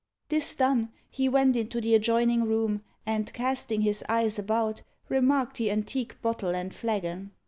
This done, he went into the adjoining room, and, casting his eyes about, remarked the antique bottle and flagon.